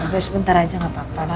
ya ya sebentar aja gak apa apa lah